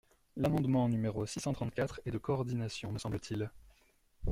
L’amendement n° six cent trente-quatre est de coordination, me semble-t-il.